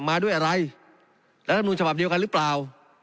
มาด้วยอะไรแล้วท่านพูดฉบับเดียวกันหรือเปล่า